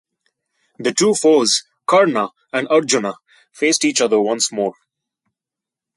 The two foes, Karna and Arjuna faced each other once more.